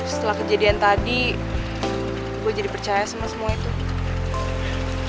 setelah kejadian tadi gue jadi percaya sama semua itu